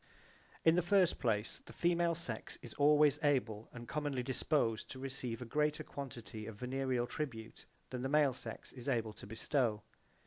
In the first place the female sex is always able and commonly disposed to receive a greater quantity of venereal tribute than the male sex is able to bestow.